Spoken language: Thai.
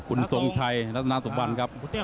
คุณทรงชัยนัทนาศบัญครับ